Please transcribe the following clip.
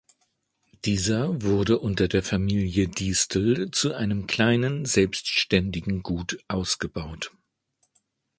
Dieser wurde unter der Familie Diestel zu einem kleinen selbständigen Gut ausgebaut.